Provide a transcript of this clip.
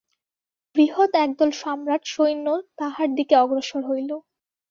বৃহৎ একদল সম্রাট-সৈন্য তাঁহার দিকে অগ্রসর হইল।